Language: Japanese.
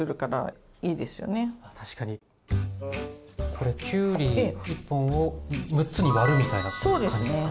これきゅうり１本を６つに割るみたいな感じですか？